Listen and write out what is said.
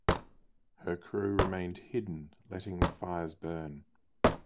Her crew remained hidden letting the fires burn.